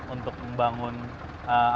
untuk membangun apa ya